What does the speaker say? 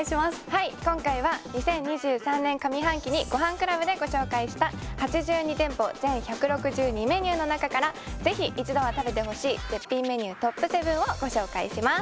はい今回は２０２３年上半期にごはんクラブでご紹介した８２店舗全１６２メニューの中からぜひ一度は食べてほしい絶品メニュートップ７をご紹介します